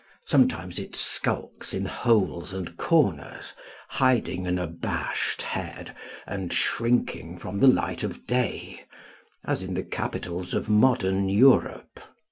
Sometimes it skulks in holes and corners, hiding an abashed head and shrinking from the light of day, as in the capitals of modern Europe.